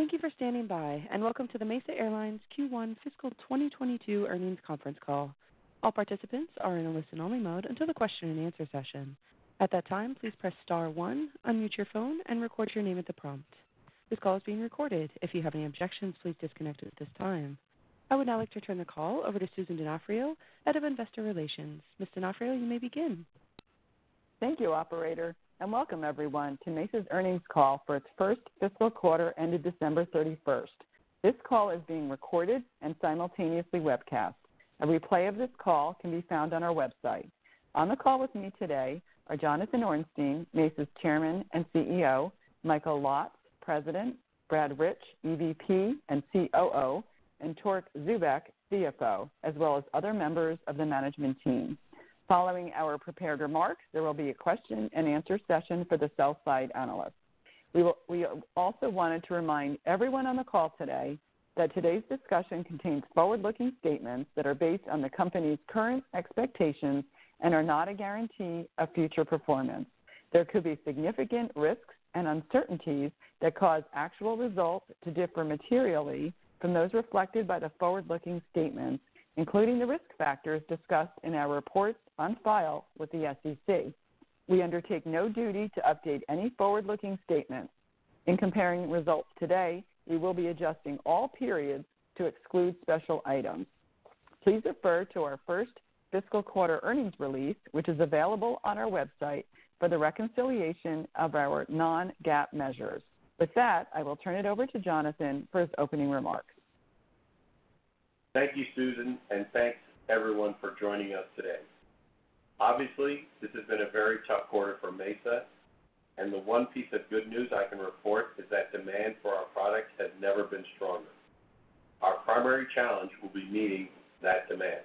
Thank you for standing by, and welcome to the Mesa Airlines Q1 Fiscal 2022 Earnings Conference Call. All participants are in a listen-only mode until the question and answer session. At that time, please press star one, unmute your phone, and record your name at the prompt. This call is being recorded. If you have any objections, please disconnect at this time. I would now like to turn the call over to Susan Donofrio, Head of Investor Relations. Ms. Donofrio, you may begin. Thank you, operator, and welcome, everyone, to Mesa's earnings call for its first fiscal quarter ended December thirty-first. This call is being recorded and simultaneously webcast. A replay of this call can be found on our website. On the call with me today are Jonathan Ornstein, Mesa's Chairman and CEO; Michael Lotz, President; Brad Rich, EVP and COO; and Torque Zubeck, CFO, as well as other members of the management team. Following our prepared remarks, there will be a question-and-answer session for the sell-side analysts. We also wanted to remind everyone on the call today that today's discussion contains forward-looking statements that are based on the company's current expectations and are not a guarantee of future performance. There could be significant risks and uncertainties that cause actual results to differ materially from those reflected by the forward-looking statements, including the risk factors discussed in our reports on file with the SEC. We undertake no duty to update any forward-looking statements. In comparing today's results, we will be adjusting all periods to exclude special items. Please refer to our first fiscal quarter earnings release, which is available on our website for the reconciliation of our non-GAAP measures. With that, I will turn it over to Jonathan for his opening remarks. Thank you, Susan, and thanks everyone for joining us today. Obviously, this has been a very tough quarter for Mesa, and the one piece of good news I can report is that demand for our products has never been stronger. Our primary challenge will be meeting that demand.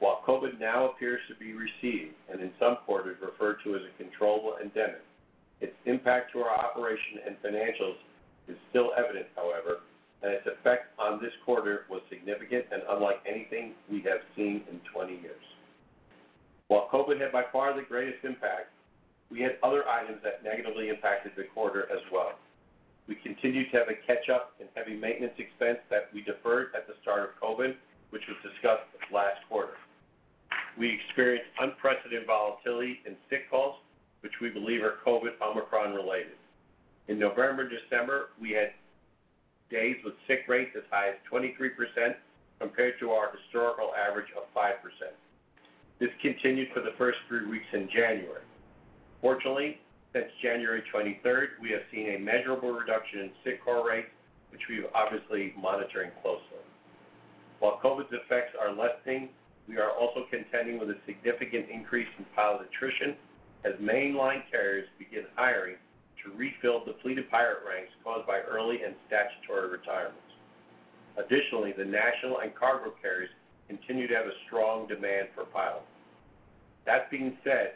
While COVID now appears to be receding and in some quarters referred to as a controllable endemic, its impact on our operations and financials is still evident. Its effect on this quarter was significant and unlike anything we have seen in 20 years. While COVID had by far the greatest impact, we had other items that negatively impacted the quarter as well. We continue to have catch-up and heavy maintenance expenses that we deferred at the start of COVID, which were discussed last quarter. We experienced unprecedented volatility in sick calls, which we believe are COVID Omicron related. In November and December, we had days with sick rates as high as 23% compared to our historical average of 5%. This continued for the first three weeks in January. Fortunately, since January 23rd, we have seen a measurable reduction in sick call rates, which we are obviously monitoring closely. While COVID's effects are lessening, we are also contending with a significant increase in pilot attrition as mainline carriers begin hiring to refill the ranks of pilots, a shortage caused by early and statutory retirements. Additionally, the national and cargo carriers continue to have a strong demand for pilots. That being said,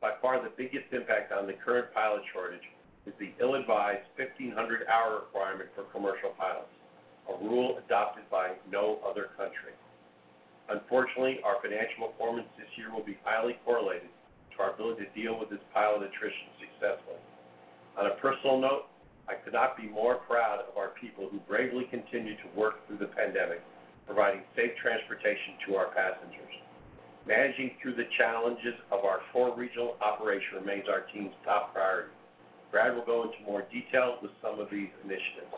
by far the biggest impact on the current pilot shortage is the ill-advised 1,500-hour requirement for commercial pilots, a rule adopted by no other country. Unfortunately, our financial performance this year will be highly correlated to our ability to deal with this pilot attrition successfully. On a personal note, I could not be more proud of our people who bravely continue to work through the pandemic, providing safe transportation to our passengers. Managing the challenges of our core regional operation remains our team's top priority. Brad will go into more detail with some of these initiatives.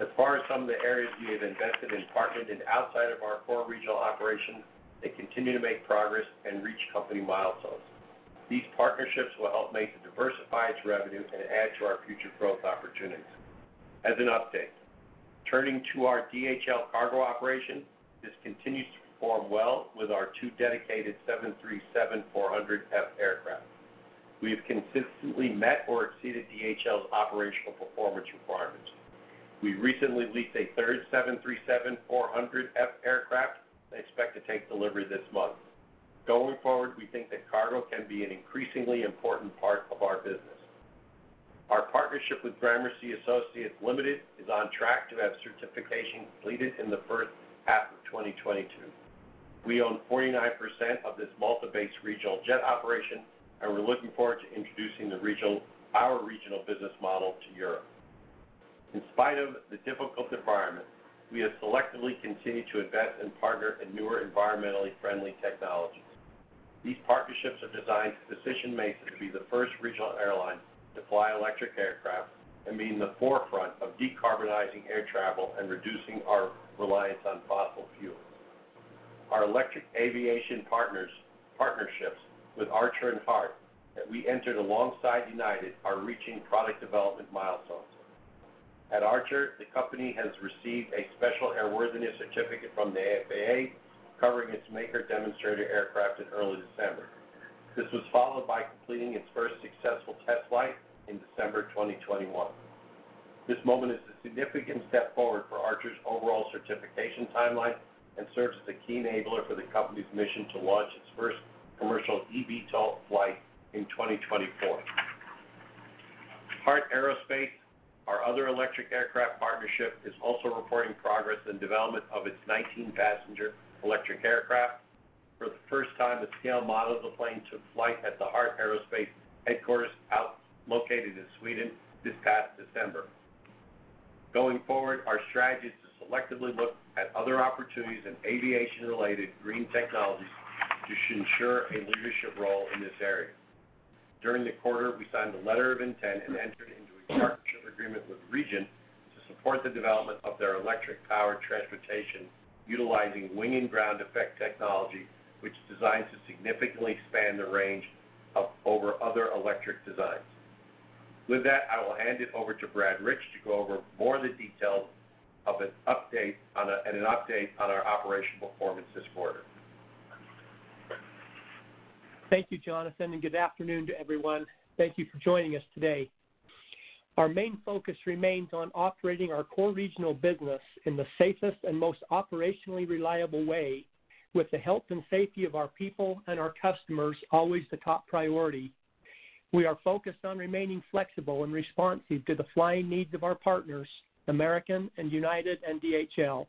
As for some of the areas we have invested in and partnered in outside of our core regional operations, they continue to make progress and reach company milestones. These partnerships will help Mesa diversify its revenue and add to our future growth opportunities. As an update, turning to our DHL cargo operation, this continues to perform well with our two dedicated 737-400F aircraft. We have consistently met or exceeded DHL's operational performance requirements. We recently leased a third 737-400F aircraft and expect to take delivery this month. Going forward, we think that cargo can be an increasingly important part of our business. Our partnership with Gramercy Associates Ltd. is on track to have certification completed in the first half of 2022. We own 49% of this Malta-based regional jet operation, and we're looking forward to introducing our regional business model to Europe. In spite of the difficult environment, we have selectively continued to invest and partner in newer, environmentally friendly technologies. These partnerships are designed to position Mesa to be the first regional airline to fly electric aircraft and be at the forefront of decarbonizing air travel and reducing our reliance on fossil fuel. Our electric aviation partnerships with Archer and Heart that we entered alongside United are reaching product development milestones. At Archer, the company received a special airworthiness certificate from the FAA covering its Maker demonstrator aircraft in early December. This was followed by completing its first successful test flight in December 2021. This moment is a significant step forward for Archer's overall certification timeline and serves as a key enabler for the company's mission to launch its first commercial eVTOL flight in 2024. Heart Aerospace, our other electric aircraft partnership, is also reporting progress in the development of its 19-passenger electric aircraft. The scale model of the plane took flight for the first time at the Heart Aerospace headquarters located in Sweden this past December. Going forward, our strategy is to selectively look at other opportunities in aviation-related green technologies to ensure a leadership role in this area. During the quarter, we signed a letter of intent and entered into a partnership agreement with REGENT to support the development of their electric-powered transportation, utilizing wing and ground effect technology, which is designed to significantly expand the range over other electric designs. With that, I will hand it over to Brad Rich to go over more of the details and an update on our operational performance this quarter. Thank you, Jonathan, and good afternoon, everyone. Thank you for joining us today. Our main focus remains on operating our core regional business in the safest and most operationally reliable way, with the health and safety of our people and our customers always the top priority. We are focused on remaining flexible and responsive to the flying needs of our partners, American, United, and DHL.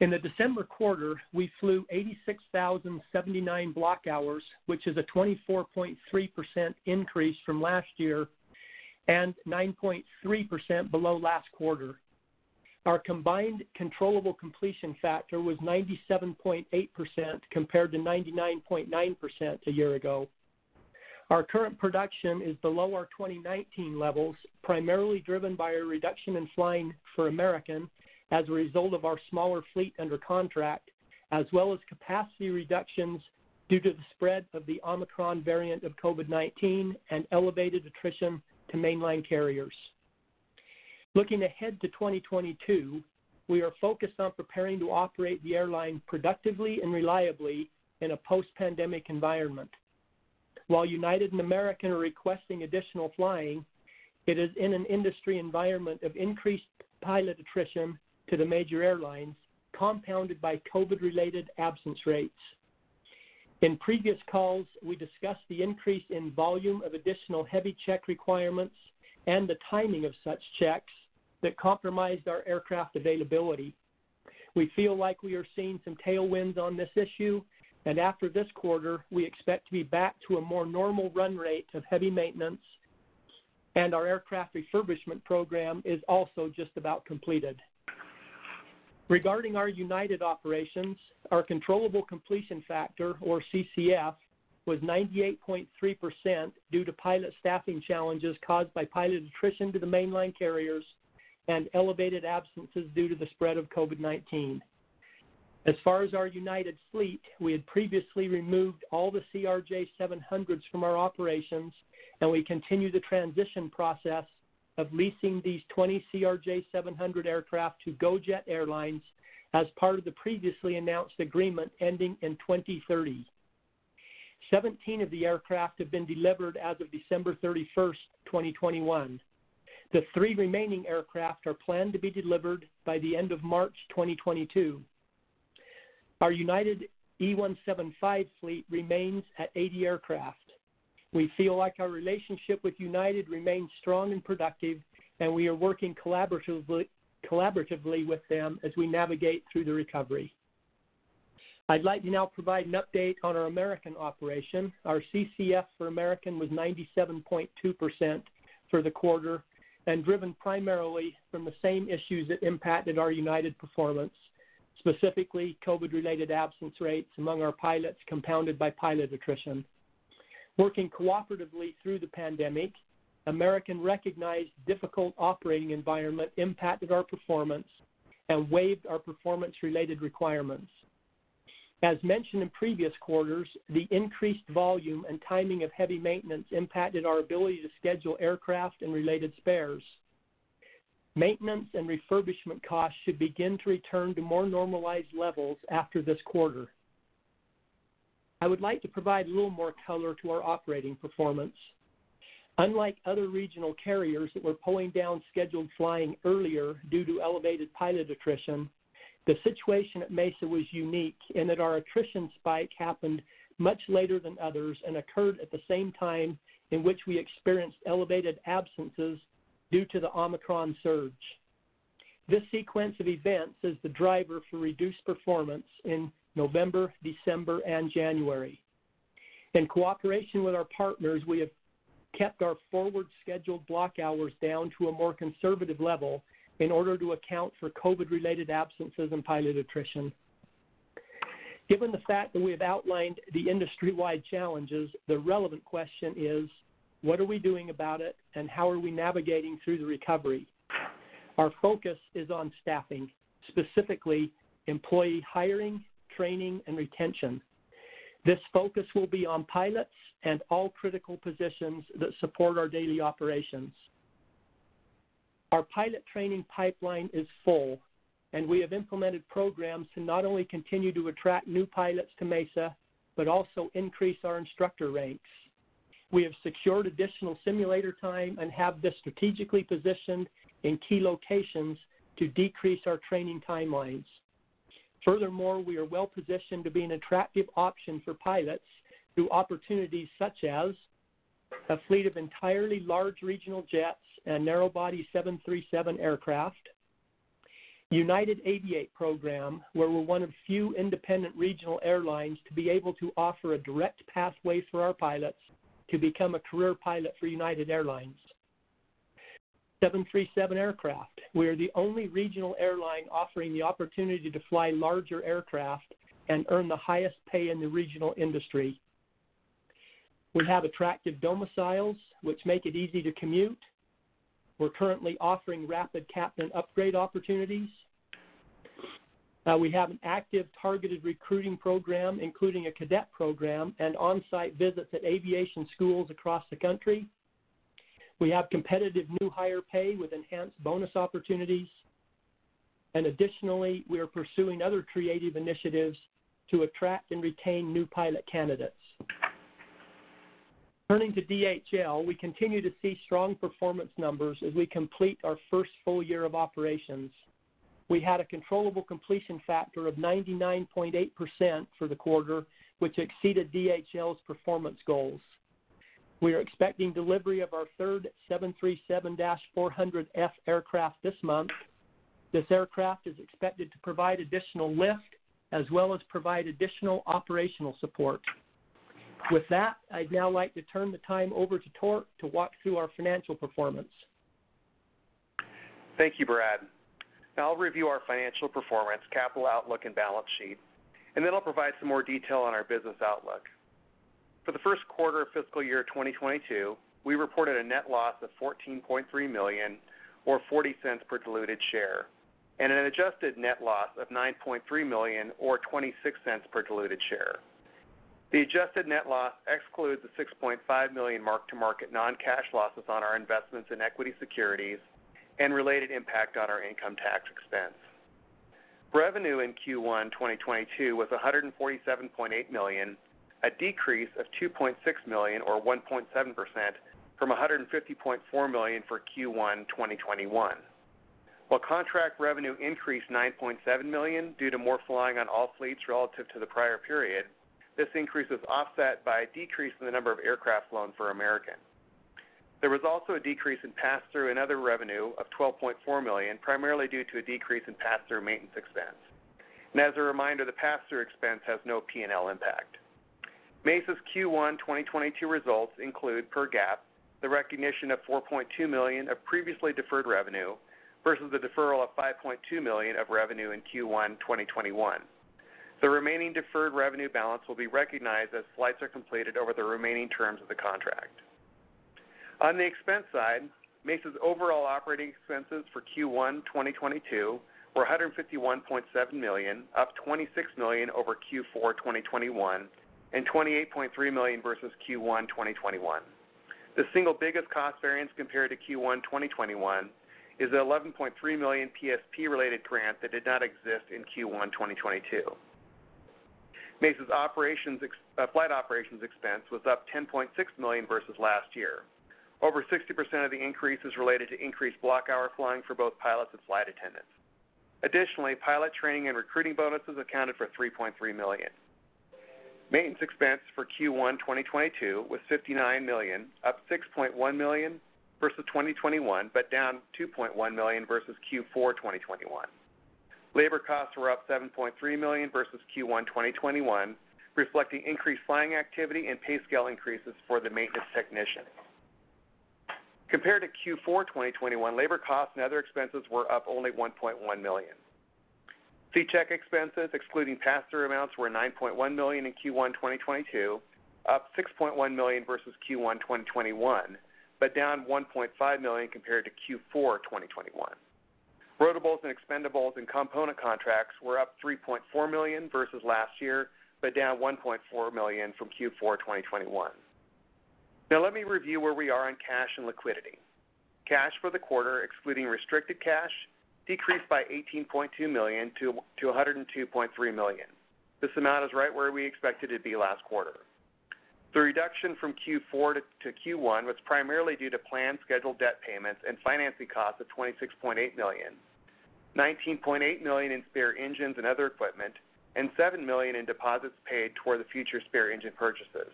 In the December quarter, we flew 86,079 block hours, which is a 24.3% increase from last year and 9.3% below last quarter. Our combined controllable completion factor was 97.8%, compared to 99.9% a year ago. Our current production is below our 2019 levels, primarily driven by a reduction in flying for American as a result of our smaller fleet under contract, as well as capacity reductions due to the spread of the Omicron variant of COVID-19 and elevated attrition to mainline carriers. Looking ahead to 2022, we are focused on preparing to operate the airline productively and reliably in a post-pandemic environment. While United and American are requesting additional flying, it is in an industry environment of increased pilot attrition to the major airlines, compounded by COVID-related absence rates. In previous calls, we discussed the increase in volume of additional heavy check requirements and the timing of such checks that compromised our aircraft availability. We feel like we are seeing some tailwinds on this issue, and after this quarter, we expect to be back to a more normal run rate of heavy maintenance, and our aircraft refurbishment program is also just about completed. Regarding our United operations, our controllable completion factor, or CCF, was 98.3% due to pilot staffing challenges caused by pilot attrition to the mainline carriers and elevated absences due to the spread of COVID-19. As far as our United fleet, we had previously removed all the CRJ-700s from our operations, and we continue the transition process of leasing these 20 CRJ-700 aircraft to GoJet Airlines as part of the previously announced agreement ending in 2030. Seventeen of the aircraft had been delivered as of December 31, 2021. The three remaining aircraft are planned to be delivered by the end of March 2022. Our United E175 fleet remains at 80 aircraft. We feel our relationship with United remains strong and productive, and we are working collaboratively with them as we navigate through the recovery. I'd like to now provide an update on our American operation. Our CCF for American was 97.2% for the quarter and driven primarily by the same issues that impacted our United performance, specifically COVID-related absence rates among our pilots, compounded by pilot attrition. Working cooperatively through the pandemic, American recognized the difficult operating environment impacted our performance and waived our performance-related requirements. As mentioned in previous quarters, the increased volume and timing of heavy maintenance impacted our ability to schedule aircraft and related spares. Maintenance and refurbishment costs should begin to return to more normalized levels after this quarter. I would like to provide a little more color on our operating performance. Unlike other regional carriers that were pulling down scheduled flying earlier due to elevated pilot attrition, the situation at Mesa was unique in that our attrition spike happened much later than others and occurred at the same time in which we experienced elevated absences due to the Omicron surge. This sequence of events is the driver for reduced performance in November, December, and January. In cooperation with our partners, we have kept our forward-scheduled block hours down to a more conservative level in order to account for COVID-related absences and pilot attrition. Given that we have outlined the industry-wide challenges, the relevant question is, what are we doing about it and how are we navigating through the recovery? Our focus is on staffing, specifically employee hiring, training, and retention. This focus will be on pilots and all critical positions that support our daily operations. Our pilot training pipeline is full, and we have implemented programs to not only continue to attract new pilots to Mesa but also increase our instructor ranks. We have secured additional simulator time and have strategically positioned this in key locations to decrease our training timelines. Furthermore, we are well-positioned to be an attractive option for pilots through opportunities such as a fleet of entirely large regional jets and narrow-body 737 aircraft, and the United Aviate program, where we're one of few independent regional airlines to be able to offer a direct pathway for our pilots to become career pilots for United Airlines. We are the only regional airline offering the opportunity to fly larger aircraft and earn the highest pay in the regional industry. We have attractive domiciles, which make it easy to commute. We're currently offering rapid captain upgrade opportunities. We have an active, targeted recruiting program, including a cadet program and on-site visits at aviation schools across the country. We have competitive new hire pay with enhanced bonus opportunities. Additionally, we are pursuing other creative initiatives to attract and retain new pilot candidates. Turning to DHL, we continue to see strong performance numbers as we complete our first full year of operations. We had a controllable completion factor of 99.8% for the quarter, which exceeded DHL's performance goals. We are expecting delivery of our third 737-400F aircraft this month. This aircraft is expected to provide additional lift as well as additional operational support. With that, I'd now like to turn the time over to Torque to walk through our financial performance. Thank you, Brad. I'll review our financial performance, capital outlook, and balance sheet, and then I'll provide some more detail on our business outlook. For the first quarter of fiscal year 2022, we reported a net loss of $14.3 million or $0.40 per diluted share, and an adjusted net loss of $9.3 million or $0.26 per diluted share. The adjusted net loss excludes the $6.5 million mark-to-market non-cash losses on our investments in equity securities and related impact on our income tax expense. Revenue in Q1 2022 was $147.8 million, a decrease of $2.6 million or 1.7% from $150.4 million for Q1 2021. While contract revenue increased by $9.7 million due to more flying on all fleets relative to the prior period, this increase was offset by a decrease in the number of aircraft flown for American. There was also a decrease in pass-through and other revenue of $12.4 million, primarily due to a decrease in pass-through maintenance expense. As a reminder, the pass-through expense has no P&L impact. Mesa's Q1 2022 results include, per GAAP, the recognition of $4.2 million of previously deferred revenue versus the deferral of $5.2 million of revenue in Q1 2021. The remaining deferred revenue balance will be recognized as flights are completed over the remaining terms of the contract. On the expense side, Mesa's overall operating expenses for Q1 2022 were $151.7 million, up $26 million over Q4 2021 and $28.3 million versus Q1 2021. The single biggest cost variance compared to Q1 2021 is the $11.3 million PSP-related grant that did not exist in Q1 2022. Mesa's flight operations expense was up $10.6 million versus last year. Over 60% of the increase is related to increased block hour flying for both pilots and flight attendants. Additionally, pilot training and recruiting bonuses accounted for $3.3 million. Maintenance expense for Q1 2022 was $59 million, up $6.1 million versus 2021, but down $2.1 million versus Q4 2021. Labor costs were up $7.3 million versus Q1 2021, reflecting increased flying activity and pay scale increases for the maintenance technicians. Compared to Q4 2021, labor costs and other expenses were up only $1.1 million. C-check expenses, excluding pass-through amounts, were $9.1 million in Q1 2022, up $6.1 million versus Q1 2021, but down $1.5 million compared to Q4 2021. Rotables, expendables, and component contracts were up $3.4 million versus last year, but down $1.4 million from Q4 2021. Now let me review where we are on cash and liquidity. Cash for the quarter, excluding restricted cash, decreased by $18.2 million to $102.3 million. This amount is right where we expected it to be last quarter. The reduction from Q4 to Q1 was primarily due to planned scheduled debt payments and financing costs of $26.8 million, $19.8 million in spare engines and other equipment, and $7 million in deposits paid toward future spare engine purchases.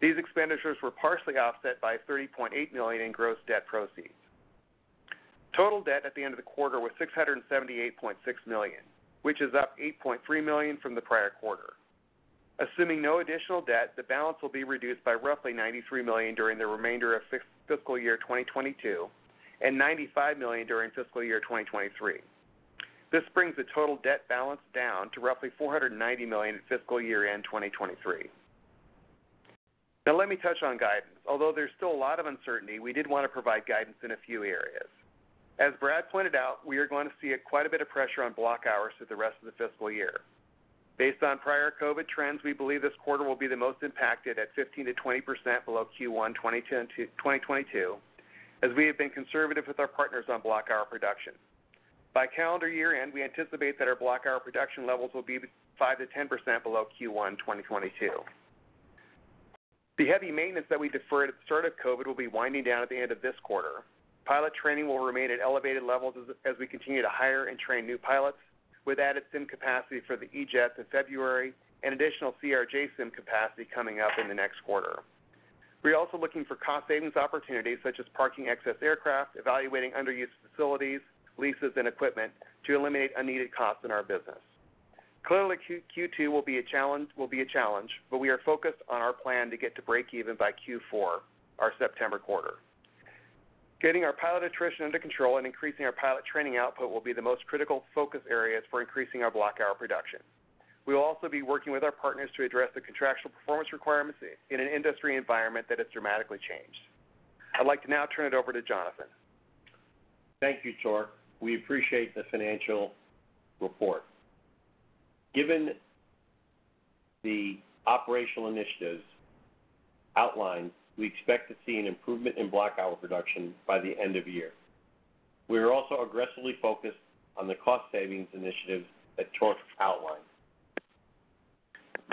These expenditures were partially offset by $30.8 million in gross debt proceeds. Total debt at the end of the quarter was $678.6 million, which is up $8.3 million from the prior quarter. Assuming no additional debt, the balance will be reduced by roughly $93 million during the remainder of fiscal year 2022 and $95 million during fiscal year 2023. This brings the total debt balance down to roughly $490 million at fiscal year-end 2023. Now let me touch on guidance. Although there's still a lot of uncertainty, we did want to provide guidance in a few areas. As Brad pointed out, we are going to see quite a bit of pressure on block hours through the rest of the fiscal year. Based on prior COVID trends, we believe this quarter will be the most impacted at 15%–20% below Q1 2022, as we have been conservative with our partners on block hour production. By calendar year-end, we anticipate that our block hour production levels will be 5%–10% below Q1 2022. The heavy maintenance that we deferred at the start of COVID will be winding down at the end of this quarter. Pilot training will remain at elevated levels as we continue to hire and train new pilots with added sim capacity for the E-Jet in February and additional CRJ sim capacity coming up in the next quarter. We're also looking for cost-saving opportunities such as parking excess aircraft, evaluating underused facilities, leases, and equipment to eliminate unneeded costs in our business. Clearly, Q2 will be a challenge, but we are focused on our plan to get to breakeven by Q4, our September quarter. Getting our pilot attrition under control and increasing our pilot training output will be the most critical focus areas for increasing our block hour production. We will also be working with our partners to address the contractual performance requirements in an industry environment that has dramatically changed. I'd like to now turn it over to Jonathan. Thank you, Torque. We appreciate the financial report. Given the operational initiatives outlined, we expect to see an improvement in block hour production by the end of the year. We are also aggressively focused on the cost-savings initiatives that Torque outlined.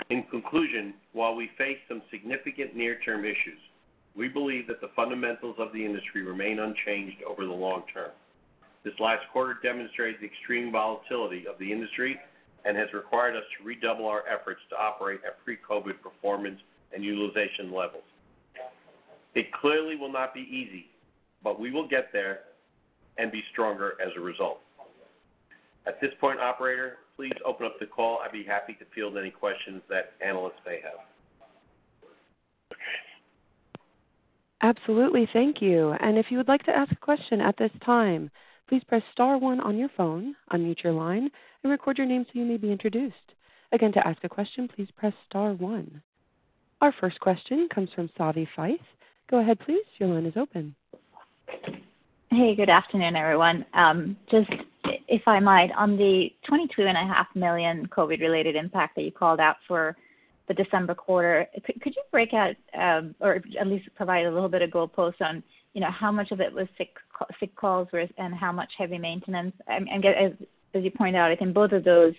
In conclusion, while we face some significant near-term issues, we believe that the fundamentals of the industry remain unchanged over the long term. This last quarter demonstrates the extreme volatility of the industry and has required us to redouble our efforts to operate at pre-COVID performance and utilization levels. It clearly will not be easy, but we will get there and be stronger as a result. At this point, operator, please open up the call. I'd be happy to field any questions that analysts may have. Absolutely. Thank you. If you would like to ask a question at this time, please press star one on your phone, unmute your line, and record your name so you may be introduced. Again, to ask a question, please press star one. Our first question comes from Savanthi Syth. Go ahead, please. Your line is open. Hey, good afternoon, everyone. Just if I might, regarding the $22.5 million COVID-related impact that you called out for the December quarter, could you break out or at least provide a little bit of goalposts on how much of it was sick calls versus how much was heavy maintenance? As you pointed out, I think both of those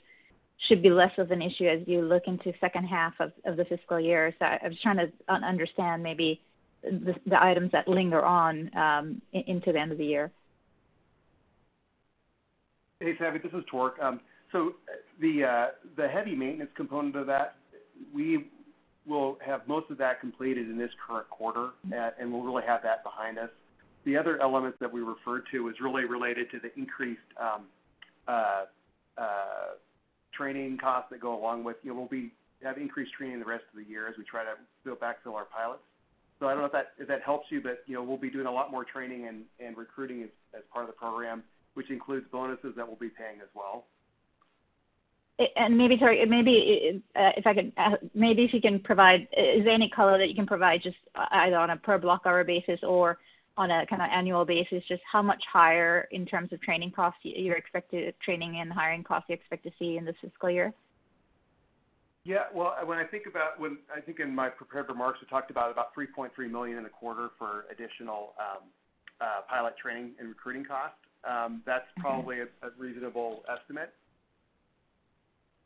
should be less of an issue as you look into the second half of the fiscal year. I'm just trying to understand maybe the items that linger on into the end of the year. Hey, Savi. This is Torque. The heavy maintenance component of that, we will have most of that completed in this current quarter, and we'll really have that behind us. The other element that we referred to is really related to the increased training costs that go along with increased training the rest of the year as we try to still backfill our pilots. I don't know if that helps you, but, you know, we'll be doing a lot more training and recruiting as part of the program, which includes bonuses that we'll be paying as well. Sorry, if you could provide any color, is there any you can provide either on a per block hour basis or on an annual basis, just how much higher in terms of training and hiring costs you expect to see in this fiscal year? Yes. Well, I think in my prepared remarks, I talked about $3.3 million in the quarter for additional pilot training and recruiting costs. That's probably a reasonable estimate.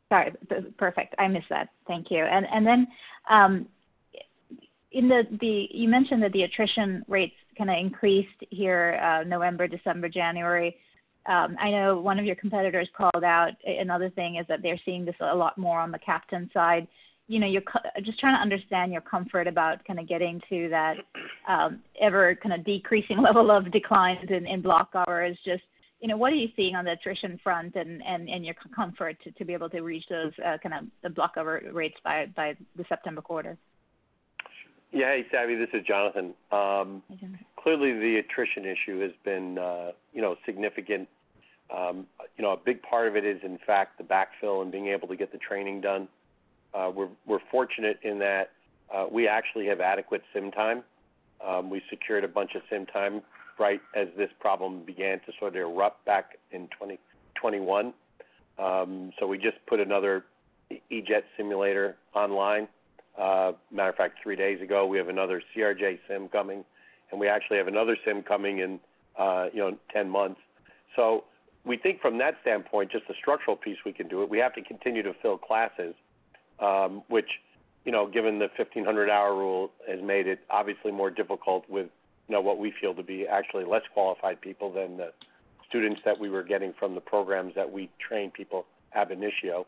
Sorry. That's perfect. I missed that. Thank you. Then, you mentioned that the attrition rates kind of increased here, November, December, January. I know one of your competitors called out another thing: they're seeing this a lot more on the captain side. You know, I'm just trying to understand your comfort about kind of getting to that ever-decreasing level of declines in block hours. You know, what are you seeing on the attrition front and your comfort to be able to reach those kinds of block hour rates by the September quarter? Yeah. Hey, Savi. This is Jonathan. Clearly, the attrition issue has been, you know, significant. You know, a big part of it is, in fact, the backfill and being able to get the training done. We're fortunate in that we actually have adequate sim time. We secured a bunch of sim time right as this problem began to sort of erupt back in 2021. So we just put another E-Jet simulator online, as a matter of fact, three days ago. We have another CRJ sim coming, and we actually have another sim coming in, you know, 10 months. So we think from that standpoint, just the structural piece, we can do it. We have to continue to fill classes, which, you know, given the 1,500-hour rule, has made it obviously more difficult with, you know, what we feel to be actually less qualified people than the students that we were getting from the programs that we train people ab initio.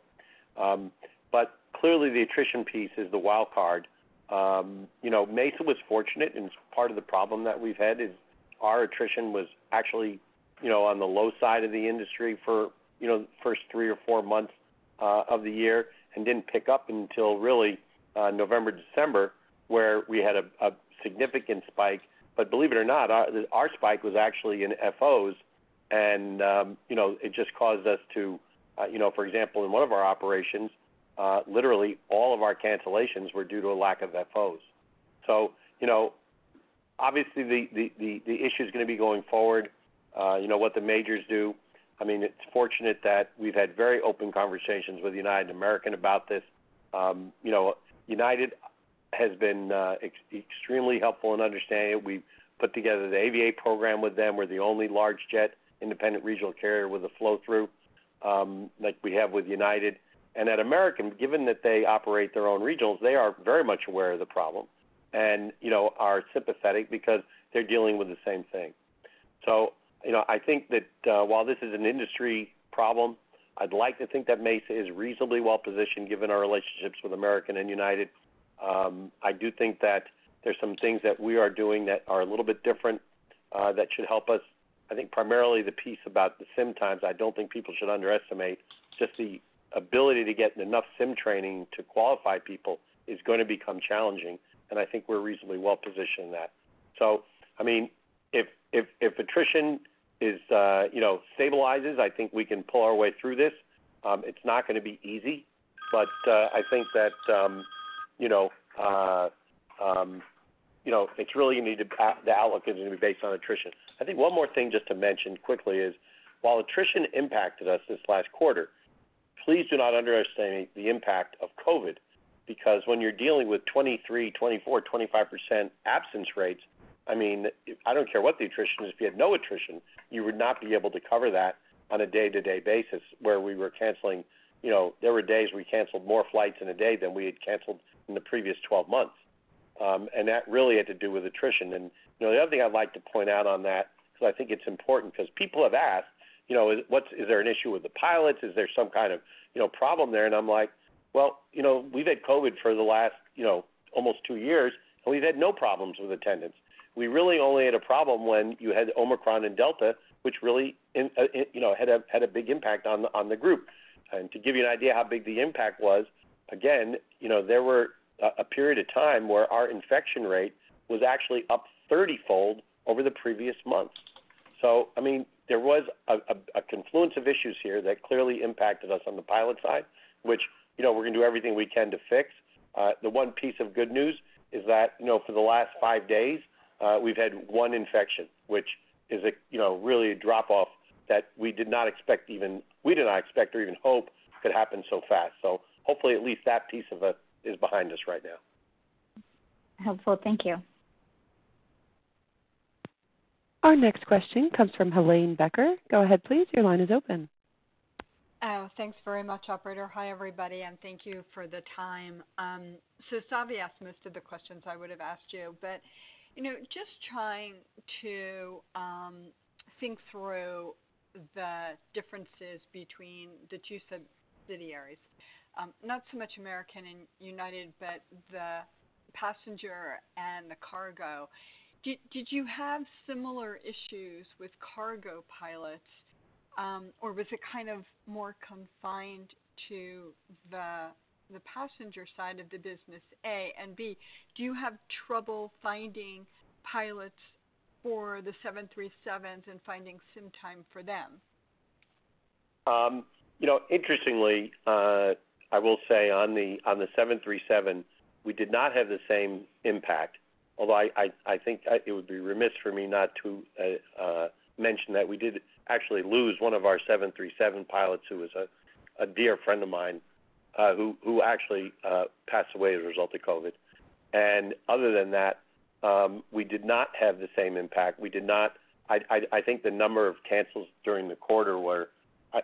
Clearly, the attrition piece is the wild card. You know, Mesa was fortunate, and part of the problem that we've had is our attrition was actually, you know, on the low side of the industry for, you know, the first three or four months of the year and didn't pick up until really November, December, where we had a significant spike. Believe it or not, our spike was actually in FOs, and you know, it just caused us, for example, in one of our operations, literally all of our cancellations were due to a lack of FOs. You know, obviously, the issue is going to be going forward, you know, what the majors do. I mean, it's fortunate that we've had very open conversations with United and American about this. You know, United has been extremely helpful in understanding it. We've put together the Aviate program with them. We're the only large jet independent regional carrier with a flow-through like we have with United. At American, given that they operate their own regionals, they are very much aware of the problem and, you know, are sympathetic because they're dealing with the same thing. You know, I think that while this is an industry problem, I'd like to think that Mesa is reasonably well-positioned given our relationships with American and United. I do think that there are some things that we are doing that are a little bit different that should help us. I think primarily the piece about the sim times, I don't think people should underestimate just the ability to get enough sim training to qualify people is going to become challenging, and I think we're reasonably well-positioned in that. I mean, if attrition stabilizes, you know, I think we can pull our way through this. It's not going to be easy, but I think that, you know, the outlook is really going to be based on attrition. I think one more thing just to mention quickly is while attrition impacted us this last quarter, please do not underestimate the impact of COVID because when you're dealing with 23%-25% absence rates, I mean, I don't care what the attrition is. If you had no attrition, you would not be able to cover that on a day-to-day basis where we were canceling. You know, there were days we canceled more flights in a day than we had canceled in the previous twelve months. That really had to do with attrition. You know, the other thing I'd like to point out on that because I think it's important because people have asked, you know, what's is there an issue with the pilots? Is there some kind of, you know, problem there? I'm like, "Well, you know, we've had COVID for the last, you know, almost two years, and we've had no problems with attendance." We really only had a problem when you had Omicron and Delta, which really, in, you know, had a big impact on the group. To give you an idea how big the impact was, again, you know, there were a period of time where our infection rate was actually up thirtyfold over the previous months. I mean, there was a confluence of issues here that clearly impacted us on the pilot side, which, you know, we're gonna do everything we can to fix. The one piece of good news is that, you know, for the last five days, we've had one infection, which is a, you know, really a drop off that we did not expect or even hope could happen so fast. Hopefully at least that piece of it is behind us right now. Helpful. Thank you. Our next question comes from Helane Becker. Go ahead, please. Your line is open. Oh, thanks very much, operator. Hi, everybody, and thank you for the time. Savi asked most of the questions I would have asked you, but you know, just trying to think through the differences between the two subsidiaries, not so much American and United, but the passenger and the cargo. Did you have similar issues with cargo pilots, or was it kind of more confined to the passenger side of the business, A? And B, do you have trouble finding pilots for the 737s and finding sim time for them? You know, interestingly, I will say on the seven three seven, we did not have the same impact. Although I think it would be remiss for me not to mention that we did actually lose 1 of our seven three seven pilots, who was a dear friend of mine, who actually passed away as a result of COVID. Other than that, we did not have the same impact. We did not. I think the number of cancels during the quarter were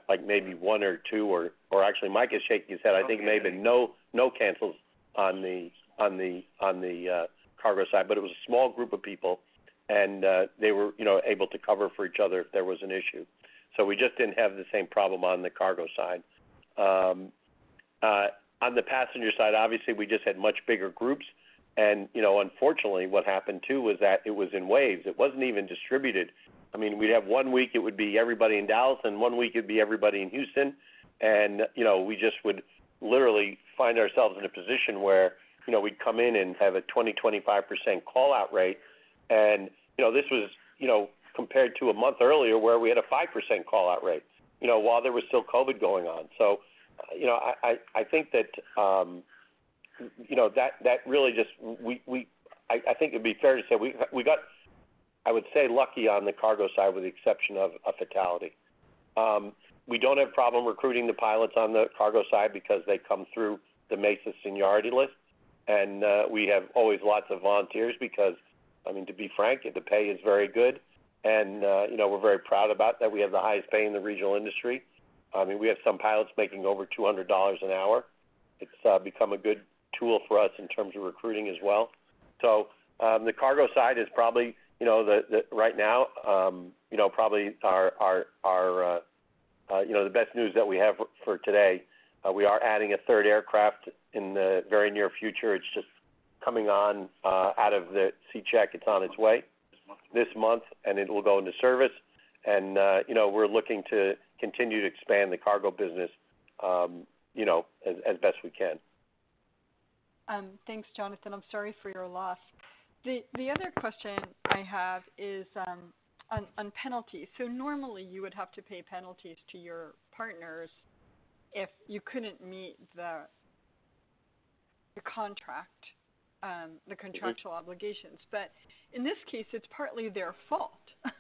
like maybe 1 or 2 or actually Mike is shaking his head. I think maybe no cancels on the cargo side. It was a small group of people, and they were, you know, able to cover for each other if there was an issue. We just didn't have the same problem on the cargo side. On the passenger side, obviously, we just had much bigger groups. You know, unfortunately, what happened too was that it was in waves. It wasn't even distributed. I mean, we'd have one week it would be everybody in Dallas, and one week it'd be everybody in Houston. You know, we just would literally find ourselves in a position where, you know, we'd come in and have a 20-25% call-out rate. You know, this was, you know, compared to a month earlier where we had a 5% call-out rate, you know, while there was still COVID going on. You know, I think it would be fair to say we got, I would say, lucky on the cargo side with the exception of a fatality. We don't have a problem recruiting the pilots on the cargo side because they come through the Mesa seniority list. We always have lots of volunteers because, I mean, to be frank, the pay is very good and you know, we're very proud about that. We have the highest pay in the regional industry. I mean, we have some pilots making over $200 an hour. It's become a good tool for us in terms of recruiting as well. The cargo side is probably, you know, the right now, you know, probably our you know, the best news that we have for today. We are adding a third aircraft in the very near future. It's just coming on out of the C-check. It's on its way this month, and it will go into service. You know, we're looking to continue to expand the cargo business, you know, as best we can. Thanks, Jonathan. I'm sorry for your loss. The other question I have is on penalties. Normally you would have to pay penalties to your partners if you couldn't meet the contract, the contractual obligations. In this case, it's partly their fault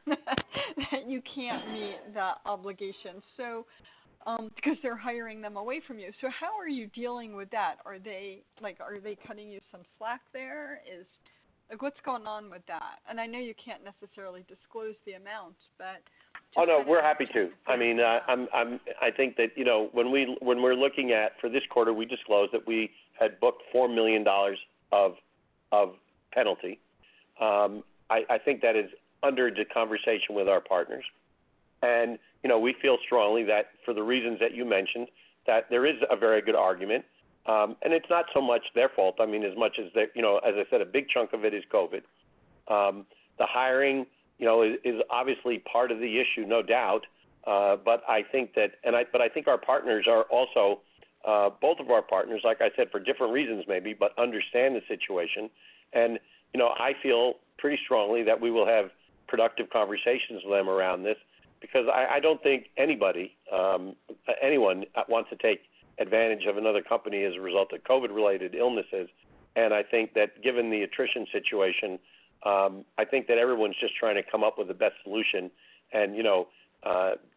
that you can't meet the obligations, because they're hiring them away from you. How are you dealing with that? Are they like cutting you some slack there? Like, what's going on with that? And I know you can't necessarily disclose the amount, but- Oh, no, we're happy to. I mean, I'm I think that, you know, when we're looking at for this quarter, we disclosed that we had booked $4 million of penalty. I think that is under the conversation with our partners. You know, we feel strongly that for the reasons that you mentioned, that there is a very good argument, and it's not so much their fault. I mean, as much as they, you know, as I said, a big chunk of it is COVID. The hiring, you know, is obviously part of the issue, no doubt. But I think our partners are also, both of our partners, like I said, for different reasons maybe, but understand the situation. You know, I feel pretty strongly that we will have productive conversations with them around this because I don't think anybody, anyone wants to take advantage of another company as a result of COVID-related illnesses. I think that given the attrition situation, I think that everyone's just trying to come up with the best solution. You know,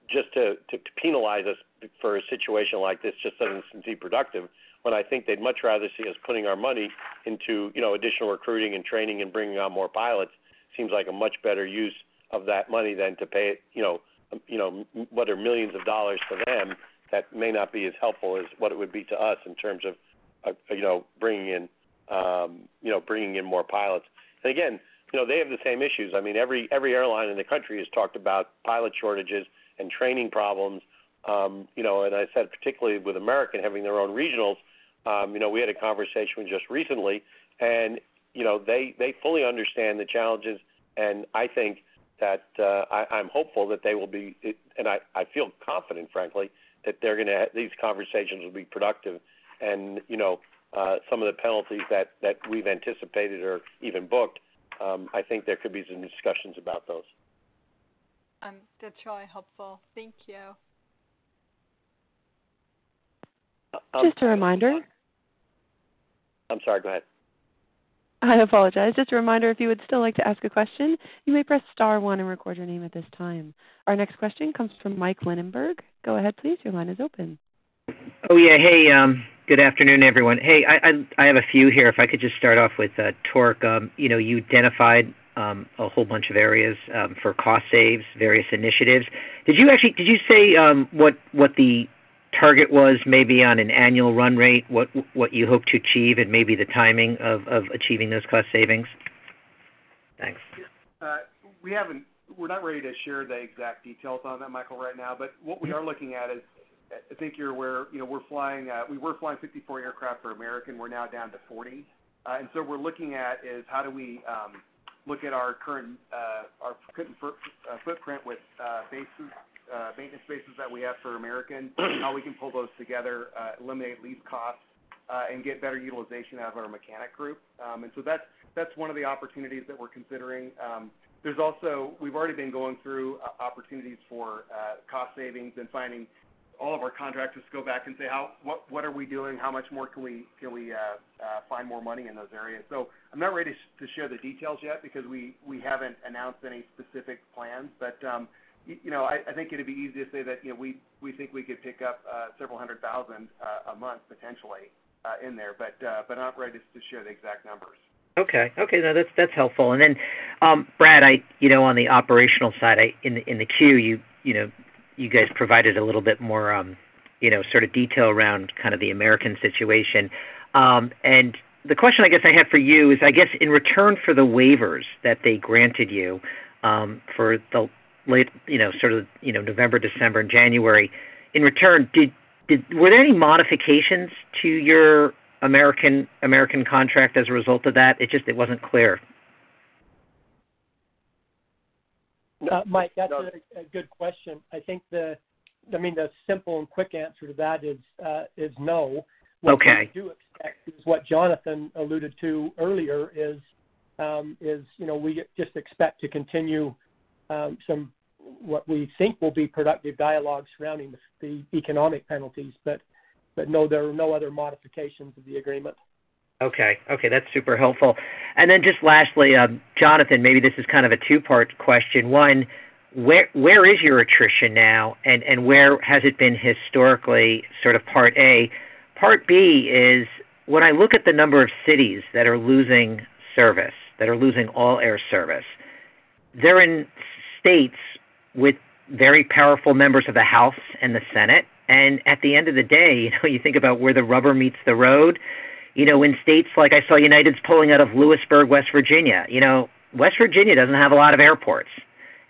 just to penalize us for a situation like this just doesn't seem productive when I think they'd much rather see us putting our money into, you know, additional recruiting and training and bringing on more pilots. It seems like a much better use of that money than to pay, you know, what are millions of dollars to them that may not be as helpful as what it would be to us in terms of, you know, bringing in, you know, bringing in more pilots. Again, you know, they have the same issues. I mean, every airline in the country has talked about pilot shortages and training problems. You know, I said, particularly with American having their own regionals. You know, we had a conversation just recently, and you know, they fully understand the challenges, and I think that I'm hopeful and I feel confident, frankly, that these conversations will be productive. You know, some of the penalties that we've anticipated or even booked, I think there could be some discussions about those. That's really helpful. Thank you. I'm sorry, go ahead. Just a reminder. I'm sorry, go ahead. I apologize. Just a reminder, if you would still like to ask a question, you may press star one and record your name at this time. Our next question comes from Mike Linenberg. Go ahead, please. Your line is open. Oh, yeah. Hey, good afternoon, everyone. I have a few here. If I could just start off with Torque. You know, you identified a whole bunch of areas for cost savings, various initiatives. Did you say what the target was maybe on an annual run rate, what you hope to achieve and maybe the timing of achieving those cost savings? Thanks. We're not ready to share the exact details on that, Michael, right now. What we are looking at is, I think you're aware, you know, we were flying 54 aircraft for American. We're now down to 40. We're looking at is how do we look at our current footprint with bases, maintenance bases that we have for American and how we can pull those together, eliminate lease costs, and get better utilization out of our mechanic group. That's one of the opportunities that we're considering. We've already been going through opportunities for cost savings and finding all of our contractors to go back and say, what are we doing? How much more can we find more money in those areas? I'm not ready to share the details yet because we haven't announced any specific plans. You know, I think it'd be easy to say that, you know, we think we could pick up $several hundred thousand a month potentially in there, but not ready to share the exact numbers. Okay. No, that's helpful. Brad, you know, on the operational side, in the queue, you know, you guys provided a little bit more, you know, sort of detail around kind of the American situation. The question I guess I have for you is, in return for the waivers that they granted you, for the late, you know, sort of, you know, November, December and January, in return, were there any modifications to your American contract as a result of that? It just wasn't clear. No. Mike, that's a good question. I think I mean, the simple and quick answer to that is no. Okay. What we do expect is what Jonathan alluded to earlier is, you know, we just expect to continue some, what we think will be productive dialogue surrounding the economic penalties. No, there are no other modifications of the agreement. Okay. That's super helpful. Then just lastly, Jonathan, maybe this is kind of a two-part question. One, where is your attrition now, and where has it been historically, sort of part A? Part B is, when I look at the number of cities that are losing service, that are losing all air service, they're in states with very powerful members of the House and the Senate. At the end of the day, you know, you think about where the rubber meets the road. You know, when states like I saw United's pulling out of Lewisburg, West Virginia, you know, West Virginia doesn't have a lot of airports,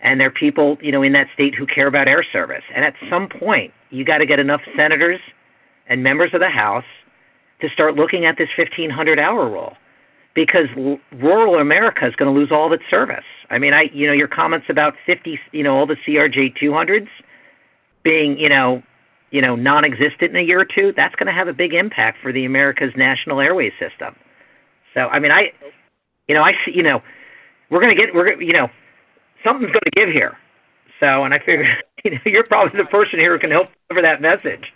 and there are people, you know, in that state who care about air service. At some point, you've got to get enough senators and members of the House to start looking at this 1,500-hour rule because rural America is going to lose all of its service. I mean, you know, your comments about 50, you know, all the CRJ-200s being, you know, nonexistent in a year or two, that's going to have a big impact on America's national airway system. I mean, you know, I see, you know, we're going to get, you know, something's going to give here. I figure, you know, you're probably the person here who can help deliver that message.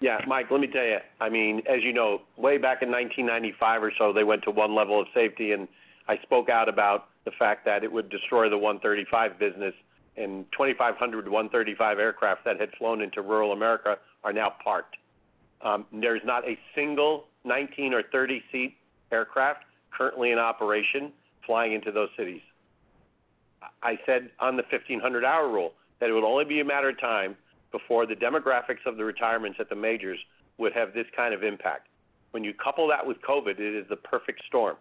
Yeah. Mike, let me tell you, I mean, as you know, way back in 1995 or so, they went to one level of safety, and I spoke out about the fact that it would destroy the Part 135 business, and 2,500 Part 135 aircraft that had flown into rural America are now parked. There's not a single 19- or 30-seat aircraft currently in operation flying into those cities. I said on the 1,500-hour rule that it would only be a matter of time before the demographics of the retirements at the majors would have this kind of impact. When you couple that with COVID, it is the perfect storm.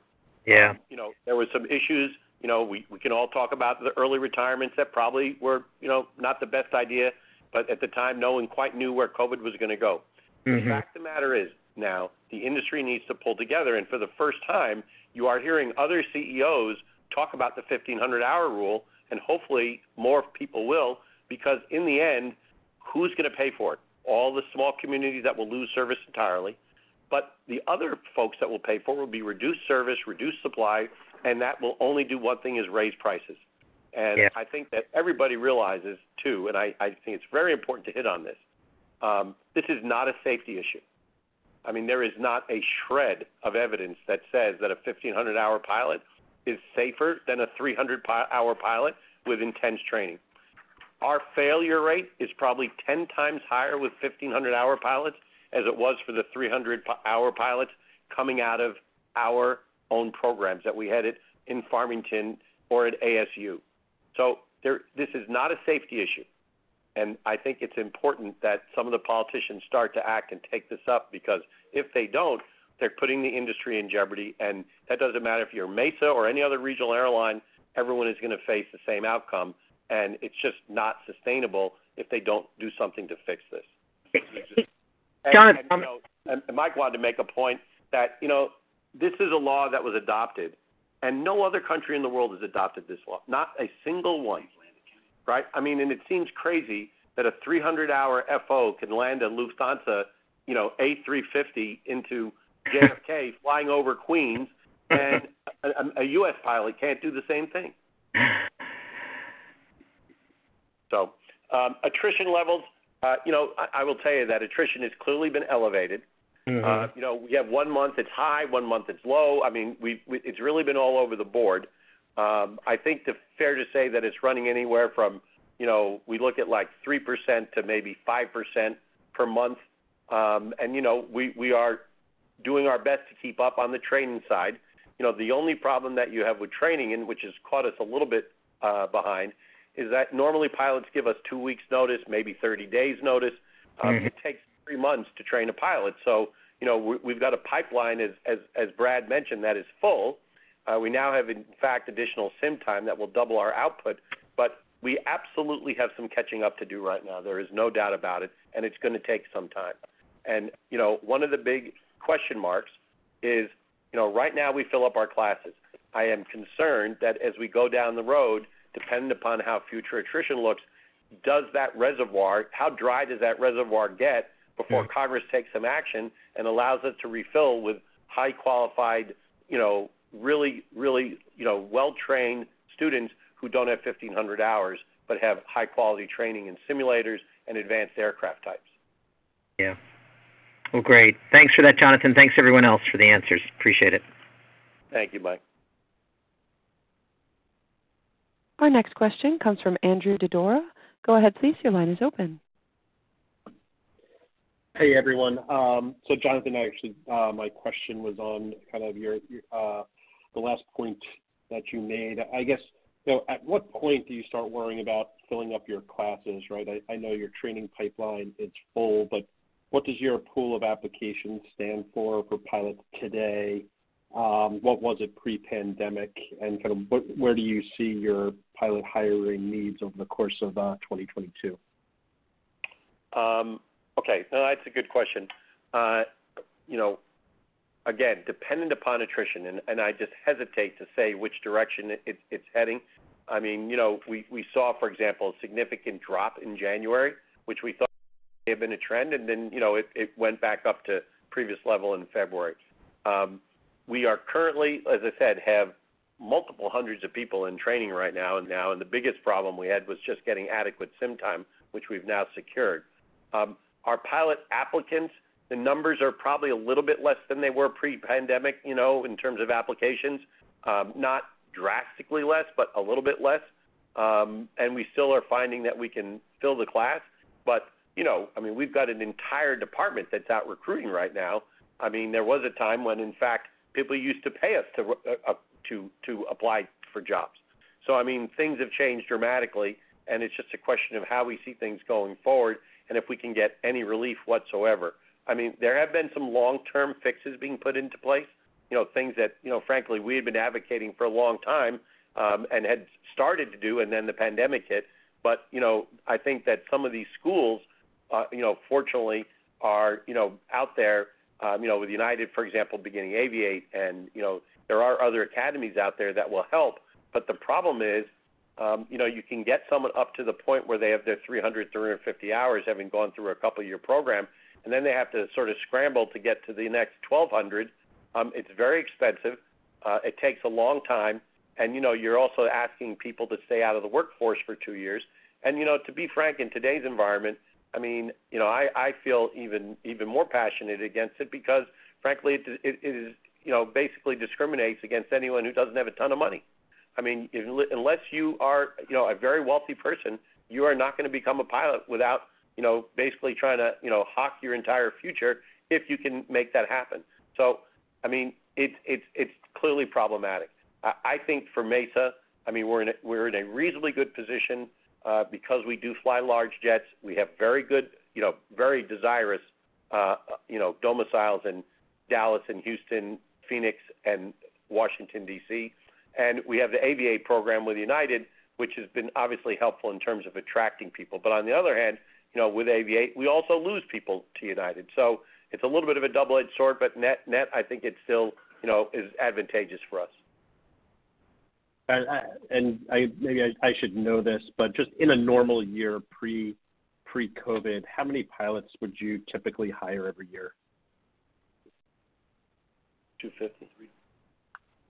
Yeah. You know, there were some issues. You know, we can all talk about the early retirements that probably were, you know, not the best idea, but at the time, no one quite knew where COVID was going to go. Mm-hmm. The fact of the matter is now the industry needs to pull together, and for the first time, you are hearing other CEOs talk about the 1,500-hour rule, and hopefully more people will, because in the end, who's going to pay for it? All the small communities that will lose service entirely. The other folks that will pay for it will have reduced service, reduced supply, and that will only do one thing: raise prices. Yeah. I think that everybody realizes, too, and I think it's very important to hit on this: this is not a safety issue. I mean, there is not a shred of evidence that says that a 1,500-hour pilot is safer than a 300-hour pilot with intense training. Our failure rate is probably 10 times higher with 1,500-hour pilots than it was for the 300-hour pilots coming out of our own programs that we headed in Farmington or at ASU. This is not a safety issue, and I think it's important that some of the politicians start to act and take this up, because if they don't, they're putting the industry in jeopardy. That doesn't matter if you're Mesa or any other regional airline; everyone is going to face the same outcome, and it's just not sustainable if they don't do something to fix this. Jon. You know, Mike wanted to make a point that this is a law that was adopted, and no other country in the world has adopted this law. Not a single one, right? I mean, it seems crazy that a 300-hour FO can land a Lufthansa A350 into JFK, flying over Queens, and a U.S. pilot can't do the same thing. Attrition levels, you know, I will tell you that attrition has clearly been elevated. Mm-hmm. You know, one month it's high, one month it's low. I mean, it's really been all over the board. I think it's fair to say that it's running anywhere from, you know, we look at like 3%-5% per month. You know, we are doing our best to keep up on the training side. You know, the only problem that you have with training, which has caught us a little bit behind, is that normally pilots give us two weeks' notice, maybe 30 days' notice. Mm-hmm. It takes three months to train a pilot. You know, we've got a pipeline, as Brad mentioned, that is full. We now have, in fact, additional sim time that will double our output, but we absolutely have some catching up to do right now. There is no doubt about it, and it's going to take some time. You know, one of the big question marks is, you know, right now we fill up our classes. I am concerned that as we go down the road, depending upon how future attrition looks, how dry does that reservoir get? Yeah Before Congress takes action and allows us to refill with highly qualified, well-trained students who don't have 1,500 hours, but have high-quality training in simulators and advanced aircraft types. Yeah. Well, great. Thanks for that, Jonathan. Thanks, everyone else, for the answers. Appreciate it. Thank you, Mike. Our next question comes from Andrew Didora. Go ahead, please. Your line is open. Hey, everyone. Jonathan, actually, my question was on your last point. I guess, at what point do you start worrying about filling up your classes, right? I know your training pipeline is full, but what does your pool of applications stand at for pilots today? What was it pre-pandemic? Kind of where do you see your pilot hiring needs over the course of 2022? Okay. No, that's a good question. You know, again, dependent upon attrition, and I just hesitate to say which direction it's heading. I mean, you know, we saw, for example, a significant drop in January, which we thought may have been a trend. Then, you know, it went back up to previous levels in February. We are currently, as I said, having multiple hundreds of people in training right now. The biggest problem we had was just getting adequate sim time, which we've now secured. Our pilot applicants, the numbers are probably a little bit less than they were pre-pandemic, you know, in terms of applications. We still are finding that we can fill the class. You know, I mean, we've got an entire department that's out recruiting right now. I mean, there was a time when, in fact, people used to pay us to apply for jobs. I mean, things have changed dramatically, and it's just a question of how we see things going forward and if we can get any relief whatsoever. I mean, there have been some long-term fixes being put into place, you know, things that, you know, frankly, we had been advocating for a long time, and had started to do, and then the pandemic hit. You know, I think that some of these schools, fortunately, are out there, you know, with United, for example, beginning Aviate, and, you know, there are other academies out there that will help. The problem is, you know, you can get someone up to the point where they have their 350 hours, having gone through a couple of your programs, and then they have to sort of scramble to get to the next 1,200. It's very expensive. It takes a long time, and, you know, you're also asking people to stay out of the workforce for two years. You know, to be frank, in today's environment, I mean, you know, I feel even more passionate against it because, frankly, it basically discriminates against anyone who doesn't have a ton of money. I mean, unless you are, you know, a very wealthy person, you are not going to become a pilot without, you know, basically trying to, you know, hock your entire future if you can make that happen. I mean, it's clearly problematic. I think for Mesa, I mean, we're in a reasonably good position, because we do fly large jets. We have very good, you know, very desirable, you know, domiciles in Dallas and Houston, Phoenix and Washington, D.C. We have the Aviate program with United, which has been obviously helpful in terms of attracting people. On the other hand, you know, with Aviate, we also lose people to United. It's a little bit of a double-edged sword, but net, I think it still, you know, is advantageous for us. Maybe I should know this, but in a normal pre-COVID year, how many pilots would you typically hire?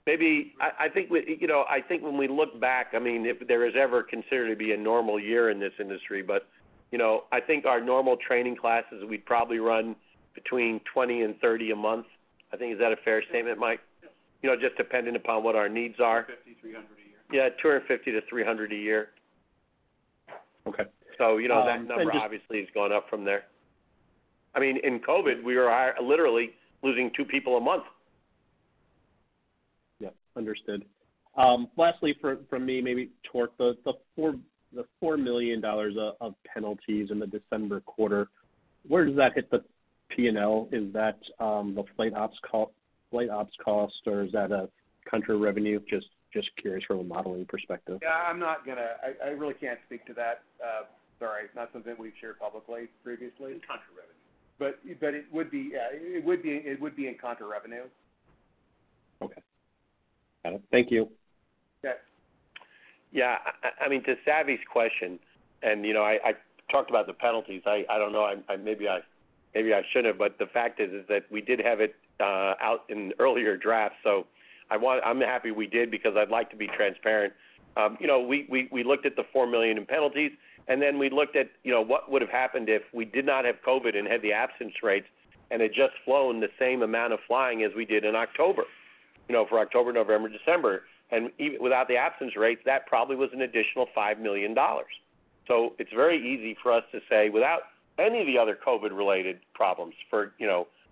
I think when we look back, if there's ever considered to be a normal year in this industry, our normal training classes would probably run between 20 and 30 a month, I think. Is that a fair statement, Mike? Yes. You know, just depending upon what our needs are. 250, 300 a year. Yeah, 250-300 a year. Okay. You know, that number has obviously gone up from there. I mean, in COVID, we were literally losing two people a month. Yeah. Understood. Lastly, from me, maybe toward the $4 million of penalties in the December quarter, where does that hit the P&L? Is that the flight ops cost, or is that a contra revenue? Just curious from a modeling perspective. Yeah, I'm not going to. I really can't speak to that. Sorry, not something we've shared publicly previously. Contra revenue. It would be in contra revenue. Okay. Got it. Thank you. Yes. Yeah, I mean, to Savi's question, you know, I talked about the penalties. I don't know, maybe I shouldn't have, but the fact is that we did have it out in earlier drafts, so I'm happy we did because I'd like to be transparent. You know, we looked at the $4 million in penalties, and then we looked at what would have happened if we did not have COVID and had the absence rates and had just flown the same amount of flying as we did in October, you know, for October, November, December. Without the absence rates, that probably was an additional $5 million. It's very easy for us to say, without any of the other COVID-related problems,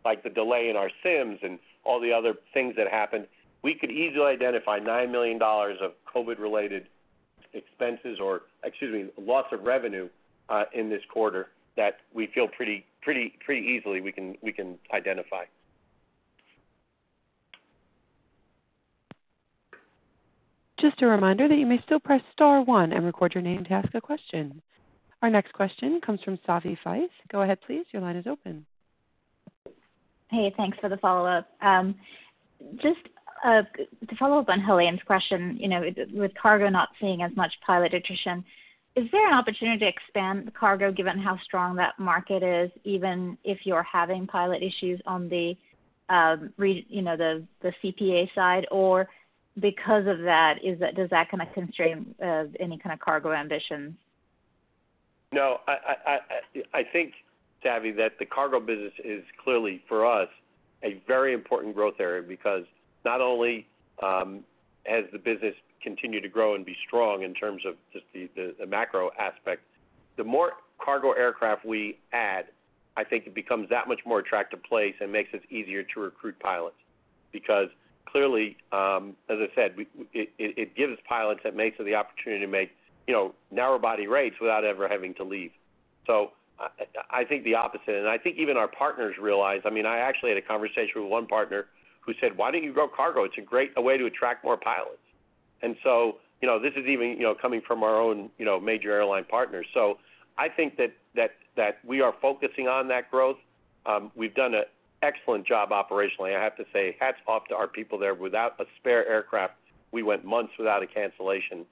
like the delay in our systems and all the other things that happened, we could easily identify $9 million of COVID-related expenses, or, excuse me, loss of revenue, in this quarter that we feel pretty easily we can identify. Just a reminder that you may still press star one and record your name to ask a question. Our next question comes from Savanthi Syth. Go ahead, please. Your line is open. Hey, thanks for the follow-up. Just to follow up on Helane's question, you know, with cargo not seeing as much pilot attrition, is there an opportunity to expand cargo given how strong that market is, even if you're having pilot issues on the CPA side? Or, because of that, does that kind of constrain any cargo ambitions? No, I think, Savi, that the cargo business is clearly, for us, a very important growth area because not only has the business continued to grow and be strong in terms of just the macro aspects, but the more cargo aircraft we add, I think it becomes a much more attractive place and makes it easier to recruit pilots. Because clearly, as I said, it gives pilots at Mesa the opportunity to make, you know, narrow-body rates without ever having to leave. I think the opposite. I think even our partners realize. I mean, I actually had a conversation with one partner who said, "Why don't you grow cargo? It's a great way to attract more pilots." You know, this is even, you know, coming from our own, you know, major airline partners. I think we are focusing on that growth. We've done an excellent job operationally. I have to say, hats off to our people there. Without a spare aircraft, we went months without a cancellation.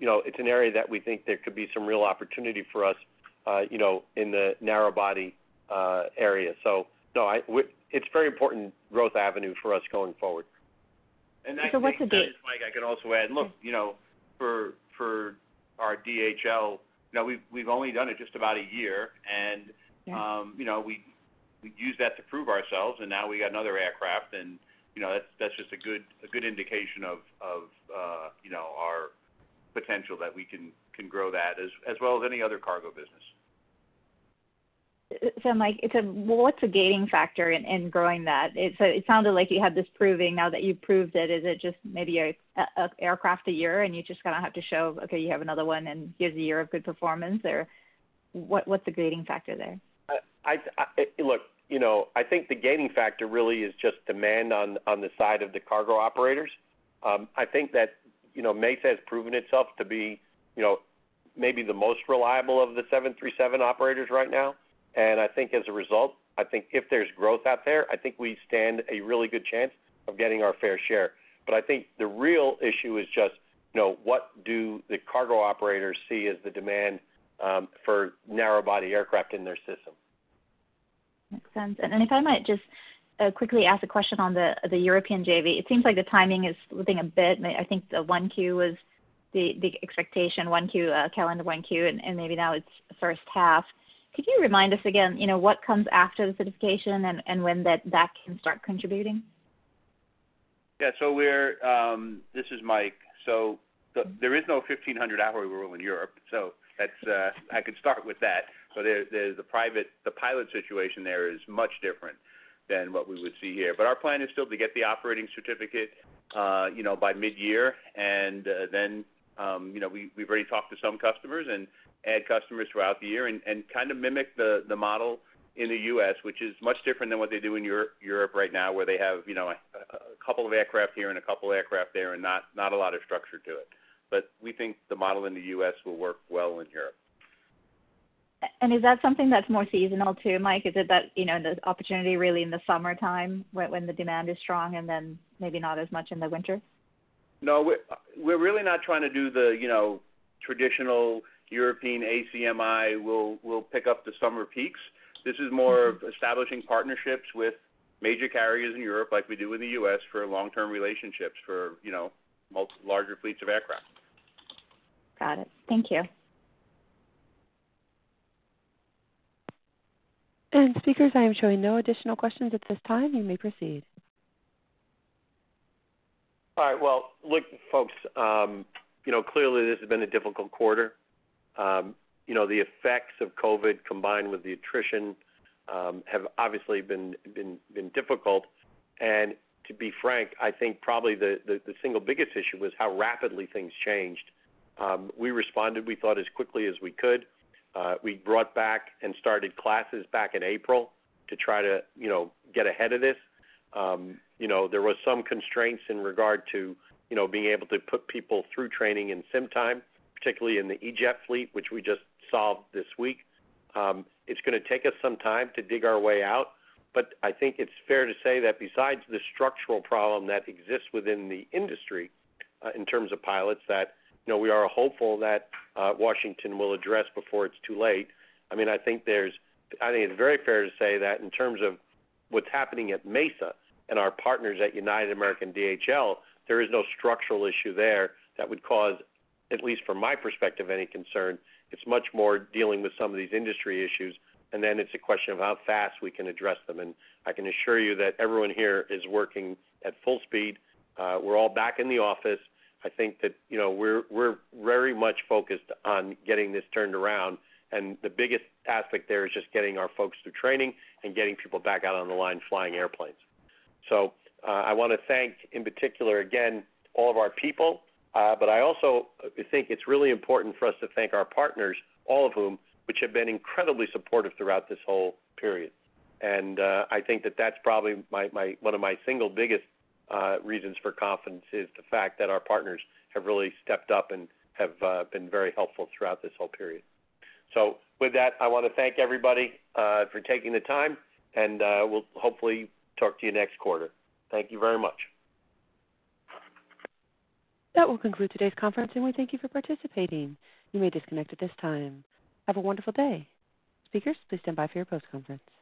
You know, it's an area where we think there could be some real opportunity for us, you know, in the narrow-body area. No, it's a very important growth avenue for us going forward. What's the Mike, I can also add, look, you know, for our DHL, you know, we've only done it for about a year, and, you know, we used that to prove ourselves, and now we have another aircraft, and, you know, that's just a good indication of our potential that we can grow that as well as any other cargo business. Mike, what's a gating factor in growing that? It sounded like you had this proving. Now that you've proved it, is it just maybe one aircraft a year, and you just kind of have to show, "Okay, you have another one," and give a year of good performance? Or what's the gating factor there? Look, you know, I think the gating factor really is just demand on the side of the cargo operators. I think that, you know, Mesa has proven itself to be, you know, maybe the most reliable of the 737 operators right now. I think as a result, if there's growth out there, I think we stand a really good chance of getting our fair share. I think the real issue is just, you know, what do the cargo operators see as the demand for narrow-body aircraft in their system. Makes sense. If I might just quickly ask a question about the European JV. It seems like the timing is slipping a bit. I think the first quarter was the expectation, calendar first quarter, and maybe now it's the first half. Could you remind us again what comes after the certification and when that can start contributing? This is Mike. There is no 1,500-hour rule in Europe, so I could start with that. The pilot situation there is much different than what we would see here. Our plan is still to get the operating certificate by mid-year. We've already talked to some customers and will add customers throughout the year and kind of mimic the model in the U.S., which is much different than what they do in Europe right now, where they have a couple of aircraft here and a couple of aircraft there and not a lot of structure to it. We think the model in the U.S. will work well in Europe. Is that something that's more seasonal too, Mike? Is it that the opportunity is really in the summertime when the demand is strong, and then maybe not as much in the winter? No, we're really not trying to do the, you know, traditional European ACMI. We'll pick up the summer peaks. This is more about establishing partnerships with major carriers in Europe, like we do in the U.S., for long-term relationships for, you know, larger fleets of aircraft. Got it. Thank you. Speakers, I am showing no additional questions at this time. You may proceed. All right. Well, look, folks, you know, clearly this has been a difficult quarter. You know, the effects of COVID combined with the attrition have obviously been difficult. To be frank, I think probably the single biggest issue was how rapidly things changed. We responded, we thought, as quickly as we could. We brought back and started classes back in April to try to, you know, get ahead of this. You know, there were some constraints in regard to, you know, being able to put people through training and sim time, particularly in the E-Jet fleet, which we just solved this week. It's going to take us some time to dig our way out, but I think it's fair to say that besides the structural problem that exists within the industry in terms of pilots, we are hopeful that Washington will address it before it's too late. I mean, I think it's very fair to say that in terms of what's happening at Mesa and our partners at United, American, and DHL, there is no structural issue there that would cause, at least from my perspective, any concern. It's much more about dealing with some of these industry issues, and then it's a question of how fast we can address them. I can assure you that everyone here is working at full speed. We're all back in the office. I think that, you know, we're very much focused on getting this turned around, and the biggest aspect there is just getting our folks through training and getting people back out on the line flying airplanes. I want to thank, in particular again, all of our people. I also think it's really important for us to thank our partners, all of whom have been incredibly supportive throughout this whole period. I think that that's probably one of my single biggest reasons for confidence: the fact that our partners have really stepped up and have been very helpful throughout this whole period. With that, I want to thank everybody for taking the time, and we'll hopefully talk to you next quarter. Thank you very much. That concludes today's conference, and we thank you for participating. You may disconnect at this time. Have a wonderful day. Speakers, please stand by for your post-conference.